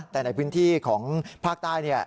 แต่ในพื้นที่ของภาคใต้